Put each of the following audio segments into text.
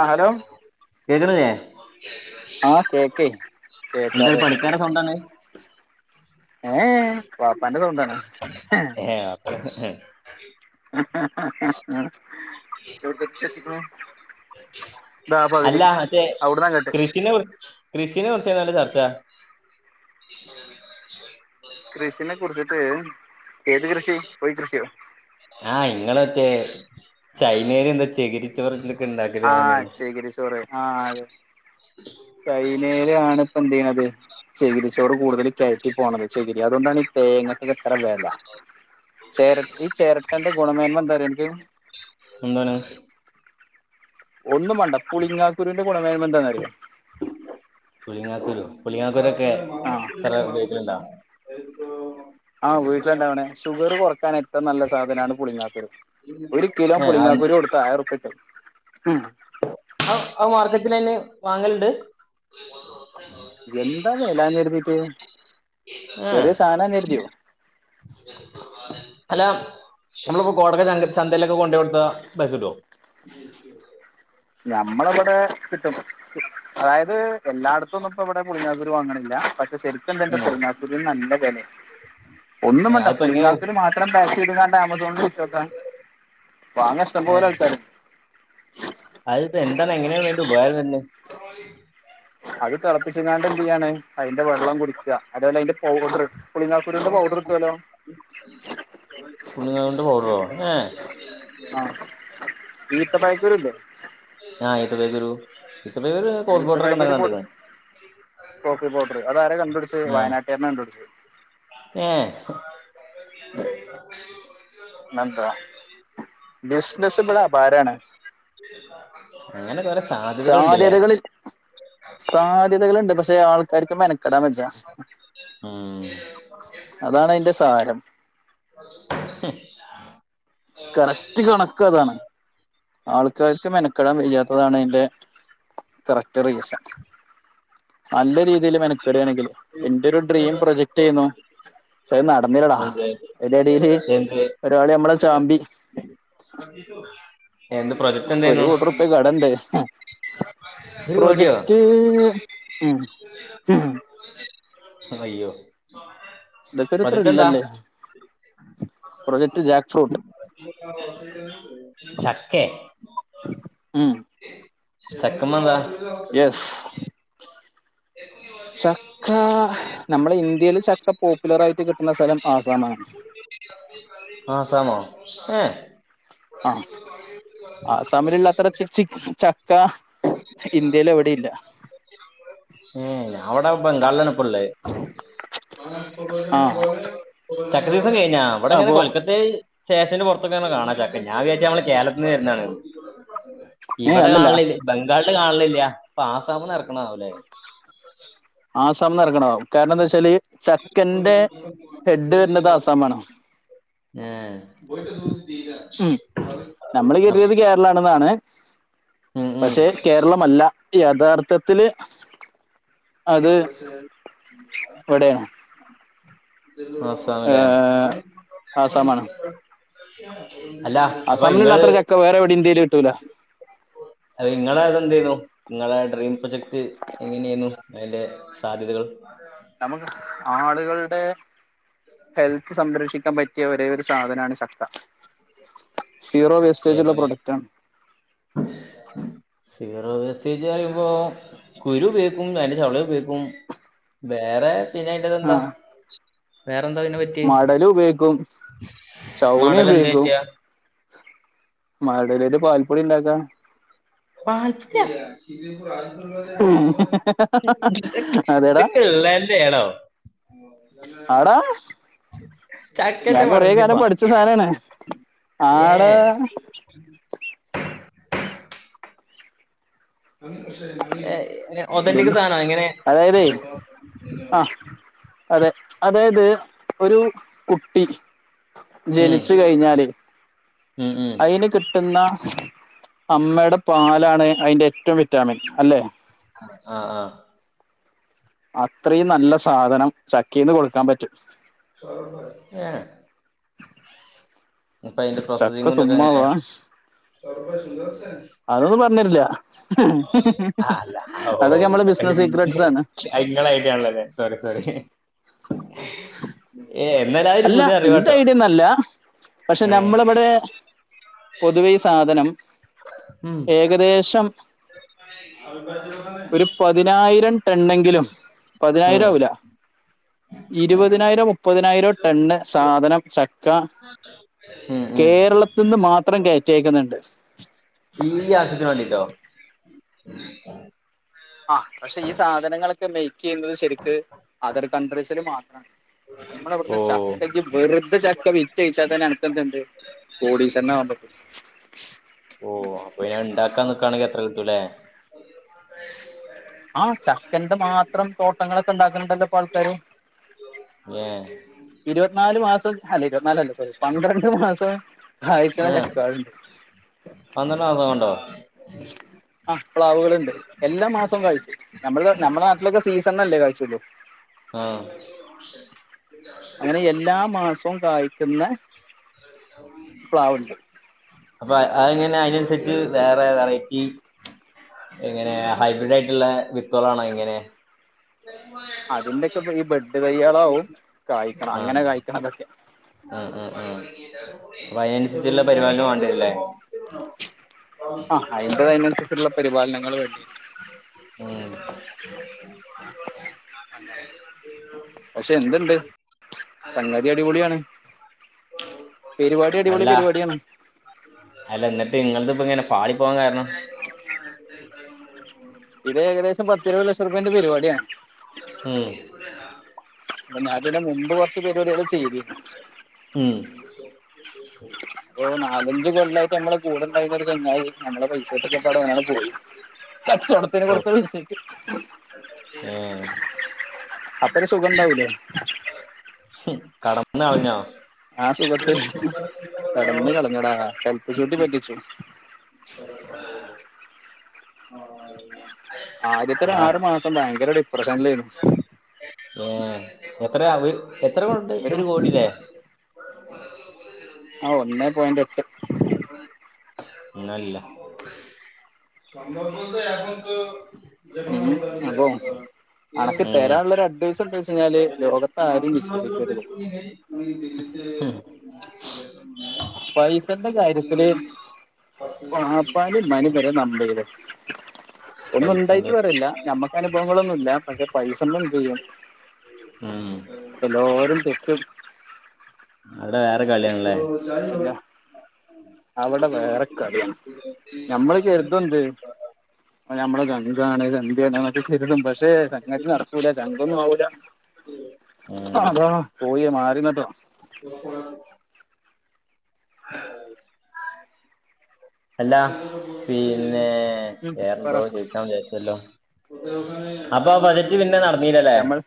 ആഹ് hello കേക്കണില്ലേ ആ കേക്കേ എന്താണ് കേക്കാതെ പണിക്കാരെ സൗണ്ടാണ് ഏഹ് ഏ വാപ്പാന്റെ സൗണ്ടാണ് ഏഹ് വാപാണ്ടലെ എവ്‌ടെതെറ്റെത്തികുണ് താ പകുതി അല്ല മറ്റേ അവിടന്നങ്ങട്ട് കൃഷിനെ കുറി കൃഷിനെ കുറിചേര്ന്നല്ലോ ചർച്ച കൃഷിനെ കുറിച്ചിട്ട് ഏത് കൃഷി കോയി കൃഷിയോ ആഹ് ഇങ്ങള് മറ്റേ ചൈനൽ എന്താ ചേകിരിചോറൊന്തൊക്കെ ഇണ്ടാക്കല് പറഞീരുന്നു ചെകിരിചോറ് ആ അതെ ചൈനേലാണിപ്പൊ എന്തിയ്യണത് ചകിരിച്ചോറ് കൂടുതൽ കയറ്റി പോകണത് ചകിരി അതുകൊണ്ടാണ് ഈ തേങ്ങക്കൊക്കെ ഇത്ര വെലാ ചരട്ട ഈ ചെരട്ടന്റെ ഗുണമേന്മേന്താണെന്നറിയോ അനക്ക് എന്താണ് ഒന്ന് മാണ്ട പ്പുളിങ്ങാക്കുരുന്റെ കുണമേന്മന്താന്നറിയോ പുളിങ്ങാക്കൂരു പുളിങ്ങാാക്കൂരൊക്കെ ആ അത് ഉപയോഗിക്കല് ണ്ടാ ആ വീട്ടില് ണ്ടാവ്ണെ ഷുഗർ കുറക്കാൻ ഏറ്റവും നല്ല സാധനാണ് പുളിങ്ങാക്കുരു ഒരു കിലോ ഏ ആ- പൊളിങ്ങാാക്കുരു കൊടുത്ത ആയിറുപ്പ്യട്ടും ആ മാർക്കറ്റ്ല് അയ്‌ന് വാങ്ങല്ണ്ട് എന്താ വെലാന്ന് രുതിട്ട് ഏ അല്ല നമ്മളിപ്പോ കോടക്കെ ചന്തേലൊക്കെ കൊണ്ട കൊടുത്ത പൈസട്ടോ ഞമ്മളിവിടെ കിട്ടും അതായത് എല്ലാടത്തുംന്നുംപ്പോ ഇവിടെ പുളിങ്ങാക്കുരു വാങ്ങണില്ലാ പക്ഷെ ശെ പുളിങ്ങാക്കുര്ന് നല്ല വെലെ ഒന്നും വേണ്ട അതിപ്പോ എങ്ങനെയാ പുളിങ്ങാക്കുര് മാത്രം പേക്കെയ്ത്ങ്ങാ ആമ സോണിൽ വിറ്റൊക്കെ വാങ്ങ ഏ, ഇഷ്ട്ടമ്പോലെ ആൾക്കാര്ണ്ട് അതിപ്പോ എന്താണ് എങ്ങനെണ് അയ്‌ന്റെ ഉപകാരം വെരണ് അത് തിളപ്പിച്ചങ്ങാണ്ട് എന്തിയ്യാണ് അതിന്റെ വെള്ളം കുടിക്ക അതേപോലെ അയ്ന്റെ പൗഡർ പുളിങാക്കുരുന്റെ പൗഡർ കിട്ടോലോ പുളിങാക്കുരുന്റെ പൌഡറോ ഏഹ് ആ ഈത്തപയക്കൂരുല്ലേ ആ ഈത്തപ്പയക്കുരു ഈത്തപ്പയക്കുരു ഈത്തപ്പയക്കുരു കൊട് കോഫി പൗഡർ അതാര കണ്ടുപിടിച്ചത് ആ വയനാട്ടാരനാ കണ്ടുപിടിച്ചത് ഏ പിന്നെ ന്താ ബിസിനസിപടെ ആഭാരാണ് അങ്ങനെകൊറേ സാ സാധ്യതകൾ സാധ്യതകളുണ്ട് പക്ഷെ ആൾക്കാർക്ക് മെനക്കെടാൻ വെജ്ജ ഉം അതാണ് അയ്ന്റെ സാരം [unintelligible] കറക്റ്റ് കണക്കതാണ് ആൾക്കാർക്ക് മെനക്കെടാൻ വെയ്യാത്തതാണ് അയ്ന്റെ കറക്റ്റ് റീസൻ നല്ല രീതിൽ മെനക്കെടയാണെങ്കില് എന്റെ ഒരു ഡ്രീം പ്രൊജക്ട്റ്റെർന്നു അത് നടന്നില്ലടാ എന്ത് അതിന്റെ ഇടൽ എന്ത് ഒരാളി നമ്മളെ ചാമ്പി എന്ത് പ്രൊജക്ട് എന്തായിരുന്നു ഇപ്പൊ കടണ്ട് ഒരു കോടിയോ പ്രൊജക്റ്റ് ഉം ഉം അയ്യോ ഇതൊക്കൊരു പ്രൊജക്റ്റ് എന്താ ത്രില്ലല്ലേ പ്രൊജക്റ്റ് ജാ ചക്കെ ഉം ചക്കമ്മെന്താ യെസ് [unintelligible] ചക്ക നമ്മുടെ ഇന്ത്യൽ ചക്ക പോപ്പുലർ ആയിട്ട് കിട്ടുന്ന സ്ഥലം ആസമാണ് ആസമോ ഏഹ് ആഹ ആസാമിലിള്ള ഇത്ര ചി ചക്ക ഇന്ത്യയില് എവിടെയില്ല ഏഹ് ഞാൻ ഇവിടെ ബംഗാളിലാണ് ഇപ്പൊ ഇള്ളത് ആഹ് ചക്ക ദിവസം കഴിഞ്ഞ അവിടെങ്ങനെ അപ്പൊ കൊൽക്കത്ത സ്റ്റേഷന്റെ പുറത്തൊക്കെ കാണാ ചക്ക ഞാൻ വിചാരിച്ച് ഞാമ്മളെ കേരളത്തിന്ന് വരുന്നതാണ്ന്ന് ഏഹ് ഇവിടെ അല്ലല്ല കാണലില്ല ബംഗാളിൽ കാണലില്ല അപ്പൊ ആസാമന്ന് ഇറക്കണാവുലേ ആസാംന്ന് എറക്ക്ണതാവും കാരണം എന്താ വെച്ചാല് ചക്കന്റെ ഹെഡ് വരുന്നത് ആസം ആണ് ഏഹ് ഉം നമ്മൾ കെരുത്യേത് കേരള ആണെന്നാണ് ഉം ഉം പക്ഷെ കേരളമല്ല യയാഥാർത്ഥത്തില്ൽ ഇവിടെയാണ് അഹ മല്ലേ ഏഹ് ആസാമാണ് ആസമിലിള്ള അത്ര ചക്ക വേറെ എവിടേം ഇന്ത്യയിൽ കിട്ടൂല അത ഇങ്ങളെ ഇത് എന്തെനു ഇങ്ങളെ ഡ്രീം പ്രൊജക്ട് എങ്ങനെന്നു അതിന്റെ സാധ്യതകൾ നമുക്ക് ആളുകളുടെ ഹെൽത്ത് സംരക്ഷിക്ക ക്കാൻ പറ്റിയ ഒരേ ഒരു സാധനമാണ് ചക്ക സീറോ വേസ്റ്റേജ് ഉള്ള എങ്ങനെ പ്രൊഡക്റ്റ്ണ് സീറോ വേസ്റ്റേജ് പറയുമ്പോ കുരു ഉപയോഗിക്കും അയിന്റെ ചൊള ഉപയോഗിക്കും വേറെ ട്ട് ഇത് എന്താ വേറെന്താെ പിന്നെ പ മടലു ഉപയോഗിക്കും ചൗണി മടൽ എന്ത് ഉപയോഗിക്കും പറ്റിയ മടലേറ്റ് പാൽപ്പൊടി ഉണ്ടാക്കാ പാൽപൊട്യ ഇ അതെടാ ഇതൊക്കെ ഇള്ളെന്നെ ഏണോ ആടാ [unintelligible] ഞാൻ ചക്കന്റെ മടല് കൊറേ വെച്ച് കാലം പഠിച്ച പാൽപൊടിയോ സാനാണ് ആടാ ഏഹ് ഏഹ് ഒതന്റിക് ഇതിന്റെ സാധനൊ എങ്ങനെ അതായതേ ആഹ് അതെ അതായത് ഒരു കുട്ടി ഉം ജനിച്ചു കഴിഞ്ഞാല് ഉം ഉം അയിന് കിട്ടുന്ന അമ്മയുടെ പാലാണ് അതിന്റെ ഏറ്റവും വിറ്റാമിൻ അല്ലെ ആഹ ആഹ് അത്രയും നല്ല സാധനം ചക്കയിന്ന് കൊടുക്കാൻ പറ്റും ഏഹ് അപ്പൊ അയിന്റെ ചക്ക പ്രൊസസിംങ്ങും ഇതൊക്കെ എങ്ങനെ സുമ്മാവാ അതൊന്നും പറഞ്ഞ് തെരില്ല ആ, അല്ല അതൊക്കെ നമ്മള ബിസിനസ് സീക്രട്ടസ് ആണ് അത് ഇങ്ങളെ ഐഡിയ ആണല്ലോലെ സോറി സോറി [inaudible] ഏ എന്നല അല്ല ഇന്റെ ഐഡിയൊന്നല്ല പക്ഷെ ഏ നമ്മളിവിടെ പൊതുവെ ഈ സാധനം ഉം ഏകദേശം ഒരു [unintelligible] പതിനായിരം ടെണ്ണെങ്കിലും പതിനായിരം ഉം ആവൂലാ ഇരുപതിനായിരോ മുപ്പതിനായിരോ ടണ്ണ് സാധനം ചക്ക ഉം ഉം കേരളത്തിന്ന് മാത്രം കെയറ്റി അയക്കുന്നുണ്ട് ഈ ആവശ്യത്തിന് വേണ്ടിട്ടോ ആഹ് പക്ഷെ ഈ സാധനങ്ങളൊക്കെ മെയ്ക്ക് ചെയ്യുന്നത് ശരിക്ക് അതർ കൺട്രീസിൽ മാത്രമാണ് നമ്മളെവിടന്ന് ഓ ച്ച ചക്കഇജ് വെറുതെ ചക്ക വിറ്റ്ഓയ് ച്ചാ തന്നെ അനക്കെന്തണ്ട് കോടിശ്വരൻ ആവാൻപറ്റും ഓഹ് അപ്പൊനാ ഇണ്ടാക്കാൻനി ക്കാണെങ്കിഎത്ര കിട്ടൂല്ലേ ആഹ് ചക്കന്റെ മാത്രം തോട്ടങ്ങളൊക്കെ ഇണ്ടാക്കണണ്ടല്ലോ ഇപ്പൊ ആൾക്കാര് ഞ്ഞെഹ് ഇര്വത് നാല് മാസം അല്ല ഇരുപത്നാലല്ലാ സോറി പന്ത്രണ്ട് മാസോം ആഹ് പന്ത്രണ്ട് മാസ കൊണ്ടോ ആഹ് പ്ലാവ്ള്ണ്ട് എല്ലാ മാസോം കായ്ച്ചും നമ്മള നമ്മ ളെ നാട്ടിലൊക്കെ സീസൺല്ലല്ലെ കായ് ച്ചള്ളൂ ആഹ് അങ്ങനെ എല്ലാ മാസോം കായ്ക്കുന്ന പ്ലാവ്ണ്ട് അപ്പൊആങ്ങന അയ്നൻസരിച്ച് വേറെ വെറൈറ്റി എങ്ങനെ ഹൈബ്രിഡ് യിട്ടുള്ള വിത്തോളാണോ എങ്ങനെ അതിന്റെക്കെപ്പ ഈ ബെഡ് തയ്യാളാവും കാ യ് ക്കണ അങ്ങനെ കായ്ക്കണതക്കെ ഉം ഉം ഉം പ്പ അയന്ആൻസരിച് ല്ല പരിപാടിന്നെ വേണ്ടേര്ല്ലെ ആഹ് അയ്ന്റത് അയിന്സരിച്ചുള്ള പരിപാലനങ്ങള് വേണ്ടി ഉം അങ്ങന പേര്പാടി അടിപൊളി അല്ല പെര്വാടി ആണ് അല്ല ന്നിട്ട് ഇങ്ങളത്പ്പ ഇങ്ങനെ പാളി പോകാൻ കാരണം ഇത് ഏകദേശംപത്ത്ഇര്പത് ലക്ഷം ഉർ പ്യന്റെ പര് വാടിആണ് ഉം ന്ന തിന് മുമ്പ് കൊറച്ച് പര്വാടിയള് ചെയ്തിര്ന്നു ഉം പ്പൊ നാലഞ്ച് കൊല്ലാ യിട്ട് നമ്മളെ കൂടെണ്ടായിര് ന്ന ഒര് ച്ച ങ്ങാ യി നമ്മളെ പൈസട്ടൊക്കെ പാടെ ഓന്ണ്ട് പോയി കച്ചോടത്തിന് ഓ കൊട്ത്ത പയ്സക്ക് ഏഹ് അപ്പോരു സുഖണ്ടാവൂലേ കട ന്ന ള്ഞ്ഞോ ആ സുഖത്തിൽ ച്ച് [unintelligible] ആദ്യത്തെര് ആഹ് ആറ് മാസം ഭയങ്കരടി ഏഹ് എത്രവ് എത്രക്കൊണ്ട് ഒരു കോടില്ലെ ആഹ് ഒന്നേ പോയന്റ് എട്ട് ന്നല്ല സഭവ കൊണ്ട് അയ് മുപ് ഉം അതോ അണക്ക് ഉം തരാള്ളരു അഡ്വൈസ് [unintelligible] ന്നാല് ലോകത്ത് ആരേം വിശ്വസിക്കരുത് ഉം പൈസന്റെ കാര്യത്തില് വാപ്പനീം മ്മനീം വരെ നമ്പര്ത്. ഒന്നുണ്ടായിട്ട് പറല്ല നമ്മക്ക് പൈസന്റെ അനുഭവങ്ങളൊന്നു ല്ല പഷേ പൈസമ്മേ എന്ത് യ്യും ഉം എല്ലാരും തെക്കും അടെ വേറെ കളിയണല്ലേ അവ്ടെ വേറെ കളിണ് ഞമ്മള് കര്തു ന്ത് നമ്മളെ ജഗാണ് ചന്ത്‌യാണ്ക്കെ [unintelligible] പക്ഷേ സംതി നടക്കൂല ചങ്കൊന്നും ആവൂല അതാ പോയിയ മാറിന്നട്ടെ- ഉ [inaudible] [inaudible] അല്ലാ പിന്നേ ഉം പറ വേറെന്തോ ചോ- വിചാരിച്ചോല്ലാ അപ്പൊ ആ ബജറ്റ് പിന്നെ നടന്നീലല്ലേ- നമ്മൾ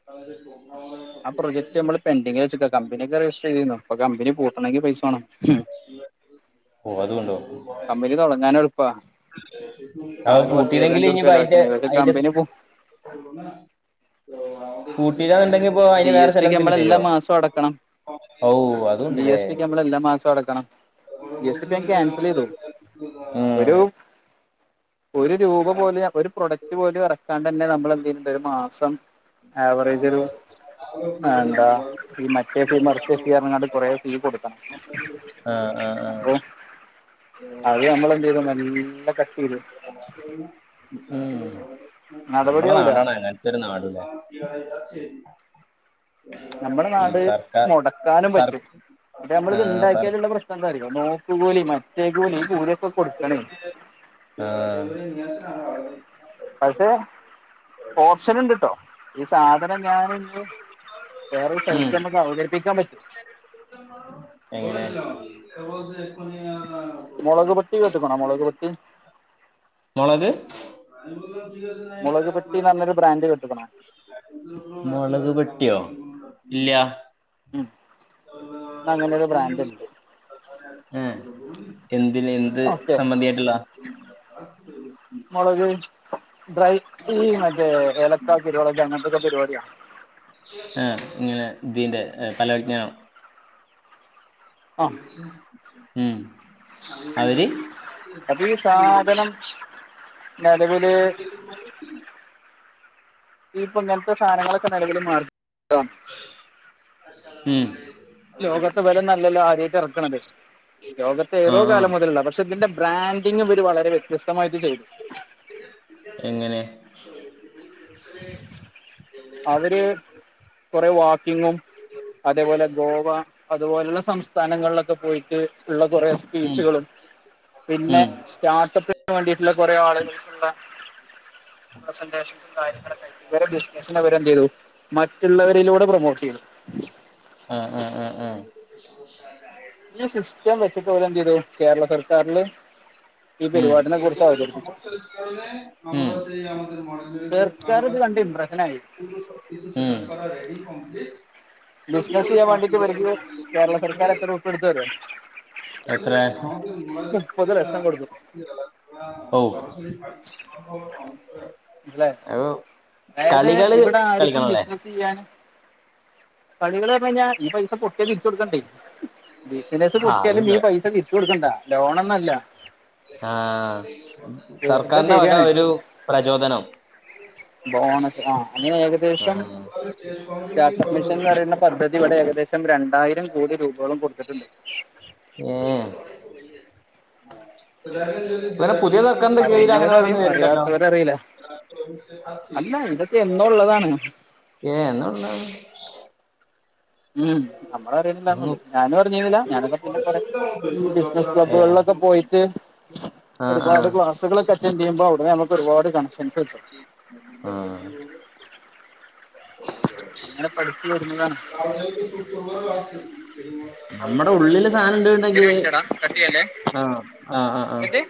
[inaudible] ആ പ്രൊജക്ട് മ്മള് പെന്റിങ്ങില് വെച്ചേക്ക കമ്പനിക്കെ രജിസ്റ്റർ ചെയ്തീന്നു ഇപ്പ കമ്പനി പൂട്ടണെങ്കി പൈസ വേണം. ഓ അതൂണ്ടോ- കമ്പനി തൊടങ്ങാനെളുപ്പാ- അപ്പോ പൂട്ടില്ലെങ്കില് ഉറുപ്യ ഇനിപ്പോ ചെലവാക്കിയാ അയ്ന്റെ മതി പക്ഷെ അയ്ന്റെ- കമ്പനി പോ പൂട്ടിടാണ്ട- ഇനിപ്പോ ജി അയ്ന് വേറെ എസ് ടി ഒക്കെ നമ്മള് സലന്തെലും എല്ലാ തരുവോ? മാസവും അടക്കണം ഔ ജി അതുണ്ടല്ലേ എസ് ടി ഒക്കെ നമ്മള് എല്ലാ മാസവും അടക്കണം ജി എസ് ടി ഇപ്പ ഞാൻ ക്യാൻസൽ ചെയ്തു ഉം.. ഒരു ഒരു രൂപ പോലും ഒരു പ്രൊഡക്റ്റ് പോലും ഇറക്കാണ്ടന്നെ നമ്മളെന്തെ [unintelligible] ഒരു മാസം- ആവറേജൊരു- എന്താ ഈ മറ്റേ ഫീ മറിച്ചേ ഫീ റന്നങ്ങാണ്ട് കൊറേ ഫീ കൊടുക്കണം. ആഹ് ആഹ് ആഹ്.. അപ്പൊ അത് നമ്മളെന്തെയ്തു മെല്ലെ കട്ട്യ്തു. ഉം നമ്മളെ നടപടിയാവൂല നാടാണ്. അങ്ങനത്തൊരു നാടൂല്ലെ നമ്മടെ നാട് സർക്കാർ മൊടക്കാനും സർ പറ്റും ആഹ് സർ നമ്മളിത്ണ്ടാക്കിയാലുള്ള പ്ര ശ്നെന്താറിയൊ നോക്ക്കൂലി മറ്റേ കൂലി ഈ കൂലിയക്കെ കൊടുക്കണേ. ആഹ്.. പക്ഷെ ഓപ്ഷന്ണ്ട്ട്ടോ. ഈ സാധനം ഞാനിന്ന് വേറെയൊര് ഉം സലത്ത് ചെന്നപ്പോ അവതരിപ്പിക്കാൻ പറ്റി. എങ്ങനെ മൊളക് പൊട്ടി കേട്ട്ക്കണോ മൊളക് പൊട്ടി മൊളക്- [inaudible] മൊളക് പെട്ടിന്നറഞ്ഞാര് ബ്രാൻഡ് കേട്ട്ക്കണോ- [inaudible] മൊളക് പെട്ടിയോ ഇല്ല്യ. ഉം ഇന്ന് അങ്ങനെ ഒരു ബ്രാൻഡ് ഉണ്ട് [inaudible] എ എന്തില് എന്ത് സമ്മന്തി ആയിട്ടുള്ളാ- മൊളക് ബ്രൈറ്റ്ല് മറ്റേ ഏലക്കാക്കിട്ട്. [unintelligible] ഏ ങ്ങനെ തിന്റെ പലവ്ജ്ഞാനം ആ ഉം അവര്- അപ്പൊ ഈ സാധനം നിലവില് [inaudible] ഈപ്പോങ്ങനത്തെ സാനങ്ങള്- ഉം. ലോകത്തിവലൊന്നൊല്ലല്ലൊ ആദ്യായിട്ടെറക്കണത് ആ ലോകത്തേതോ ആ കാലം മുതലുള്ള പക്ഷെ ഇതിന്റെ ബ്രാൻഡ്- ഡിംഗിവര് വളരെ വ്യത്യസ്തമായിട്ട് ചെയ്തു. എങ്ങനെ? അവര് കൊറെ വാക്കിങ്ങും അതേപോലെ ഗോവ- അതുപോലെയുള്ള സംസ്ഥാനങ്ങളിലൊക്കെ പോയിട്ട് ഉള്ള കൊറേ ഉം സ്പീച്ചുകളും- പിന്നെ ഉം സ്റ്റാർട്ടപ്പിന് വേണ്ടീട്ടുള്ള കൊറേ ആളുകൾക്കുള്ള- പ്രസന്റേഷൻസും കാര്യങ്ങളൊക്കെ ഇവരെ ബിസിനസിനെ ഇവരെന്തെയ്തു മറ്റുള്ളവരിലൂടെ പ്രമോട്ട് ചെയ്തു. [unintelligible] ആഹ് ആഹ് ആഹ് ആഹ് ഇള്ള സിസ്റ്റം വെച്ചിട്ട് ഓലെന്തെയ്തു കേരള സർക്കാരില് ഈ പരുപാടിനെകുറിച്ച് അവതരിപ്പിച്ചു. [unintelligible] ഉം. ചെർക്കാര് ഇത് കണ്ട് ഇംപ്രഷനായി. ഉം. ബിസിനസ് ചെയ്യാൻ വാണ്ടിയിട്ട് ഇവർക്ക് കേരള സർക്കാർ എത്തറ ഉർപ്യ കൊടുത്തുന്ന് അറിയോ? എത്രേ മുപ്പത് ലക്ഷം കൊടുത്തു. ഔ മനസ്സിലായോ അത് കളികള് കളിക്കണല്ലേ? ചെയ്യാനും കളികള്ന്ന് പർഞയിഞ്ഞാ ഈ പൈസ പൊട്ടിയാ തിരിച്ചു കൊടുക്കണ്ടേ? ബിസിനസ്സ് ആ പൊട്ടിയാലും ഈ അതുണ്ട് പൈസ തിരിച്ചു കൊടുക്കണ്ട. ലോണൊന്നു അല്ല. ആഹ് വെറുതെ സർക്കാരിന്റെ വക തരികയാണ് ഒരു പ്രചോദനം ബോണസ് ആ ആ അങ്ങനെഏകദേശം സ്റ്റാർട്ടപ്പ് മിഷൻന്ന്പറയുന്ന പദ്ധതി ഇവിടെ ഏകദേശം രണ്ടായിരം കോടി രൂപകളും കൊടുത്തിട്ടുണ്ട്. ഏ ഇവിടെ പുതിയ സർക്കാരിന്റെ കീഴിൽ അറിയുന്നവർ അങ്ങനെ അറിയും. ഓരോന്ന് വരുന്നുണ്ടല്ലോ അറിയാത്തവർ അറിയില്ല. അല്ലാ ഇതൊക്കെ എന്നോ ഉള്ളതാണ്. ഏ എന്നോഉള്ളതാ ഉം നമ്മള അറിയണില്ലാന്നേ ഒന്ന് ഉള്ളു. ഞാനും അറിഞ്ഞിരുന്നില്ല. ഞാനൊക്കെ പിന്നെ കൊറെ ഈ ബിസിനസ്സ് ഏ ക്ലബ്ബുകളിലൊക്കെ പോയിറ്റ് ആ ആ ഒരുപാട് ക്ലാസ്സുകളൊക്കെ അറ്റന്റ് ചെയ്യുമ്പോ അവിടെ നമ്മുക്ക് ഒരുപാട് കണക്ഷൻസ് കിട്ടും. ആഹ് അങ്ങനെ പഠിച്ചു വരുന്നതാണ് നമ്മടെ ഉള്ളില് സാധനംണ്ട്. ഒരു ണ്ടങ്കി മിനിറ്റടാ കട്ട് ചെയ്യല്ലേ ആഹ് ആഹ് എന്ത് ആഹ്